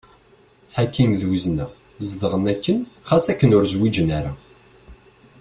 Ḥakim d Wezna zedɣen akken xas akken ur zwiǧen ara.